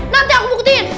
nanti aku buktiin